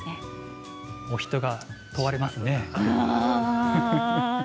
お人が問われますね。